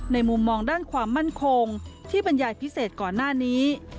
มุมมองด้านความมั่นคงที่บรรยายพิเศษก่อนหน้านี้